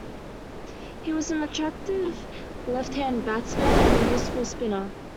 He was an attractive left hand batsman and a useful spinner.